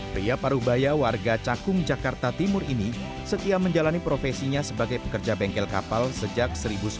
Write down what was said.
pria parubaya warga cakung jakarta timur ini setia menjalani profesinya sebagai pekerja bengkel kapal sejak seribu sembilan ratus sembilan puluh